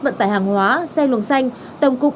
vận tải hàng hóa xe luồng xanh tổng cục